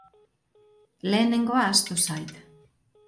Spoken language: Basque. Lehenengoa ahaztu zait.